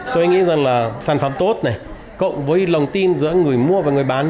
tôi nghĩ rằng là sản phẩm tốt này cộng với lồng tin giữa người mua và người bán